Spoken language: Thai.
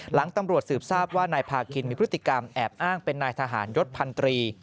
หลังตำรวจสืบทราบว่านายพาคินมีพฤติกรรมแอบอ้างเป็นนายทหารยศพันตรี